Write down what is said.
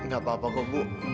gak apa apa kok bu